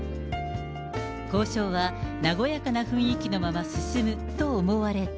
交渉は和やかな雰囲気のまま進むと思われた。